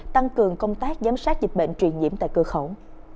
tăng cường công tác giám sát dịch bệnh truyền nhiễm tại cửa khẩu